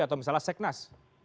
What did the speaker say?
atau misalnya seknas